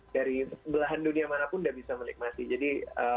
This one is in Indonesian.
dari belahan dunia mana pun udah bisa menikmati jadi